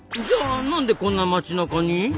じゃあなんでこんな街なかに？